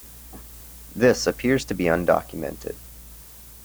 This appears to be undocumented.